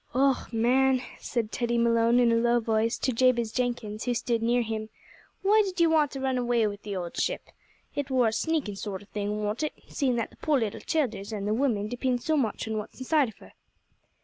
"Och! man," said Teddy Malone, in a low voice, to Jabez Jenkins, who stood near him, "why did ye want to run away wid the owld ship? It wor a sneakin' sort o' thing, warn't it, seein' that the poor little childers, an' the women, depind so much on what's inside of her?"